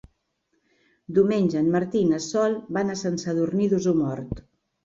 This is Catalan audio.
Diumenge en Martí i na Sol van a Sant Sadurní d'Osormort.